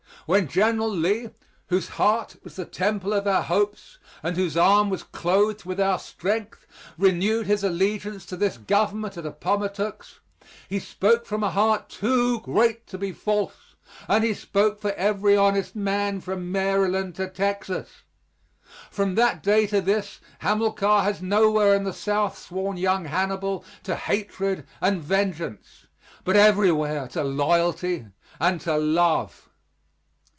When General Lee, whose heart was the temple of our hopes, and whose arm was clothed with our strength, renewed his allegiance to this Government at Appomattox, he spoke from a heart too great to be false, and he spoke for every honest man from Maryland to Texas. From that day to this Hamilcar has nowhere in the South sworn young Hannibal to hatred and vengeance, but everywhere to loyalty and to love.